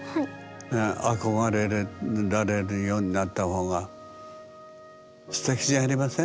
憧れられるようになった方がすてきじゃありません？